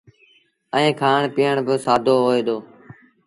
ائيٚݩ کآڻ پيٚئڻ با سآدو هوئي دو۔